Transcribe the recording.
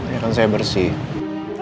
ya kan saya bersih